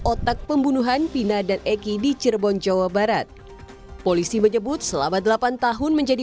otak pembunuhan pina dan egy di cirebon jawa barat polisi menyebut selama delapan tahun menjadi